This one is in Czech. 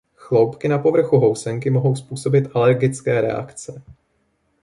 Chloupky na povrchu housenky mohou způsobit alergické reakce.